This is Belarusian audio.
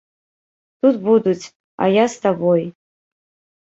Тут будуць, а я з табой.